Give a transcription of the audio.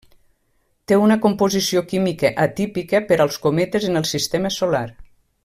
Té una composició química atípica per als cometes en el sistema solar.